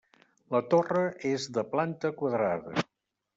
La torre és de planta quadrada.